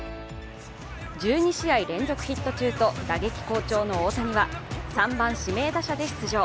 １２試合連続ヒット中と打撃好調の大谷は３番・指名打者で出場。